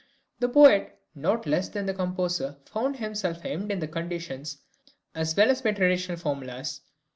The poet not less than the composer found himself hemmed in by conditions as well as by traditional formulas.